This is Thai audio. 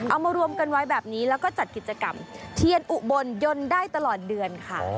เอามารวมกันไว้แบบนี้แล้วก็จัดกิจกรรมเทียนอุบลยนต์ได้ตลอดเดือนค่ะ